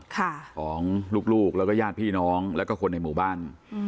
ของลูกแล้วก็ญาติพี่น้องแล้วก็คนในหมู่บ้าน